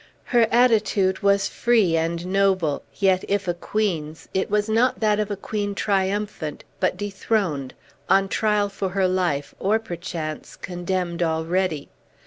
Her attitude was free and noble; yet, if a queen's, it was not that of a queen triumphant, but dethroned, on trial for her life, or, perchance, condemned already.